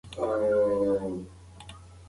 بیړه کول په کارونو کې د تېروتنې لامل ګرځي.